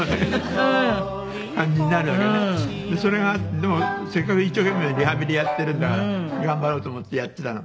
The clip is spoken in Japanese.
でもせっかく一生懸命リハビリやっているんだから頑張ろうと思ってやっていたの。